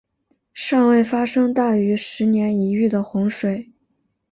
尚未发生大于十年一遇的洪水。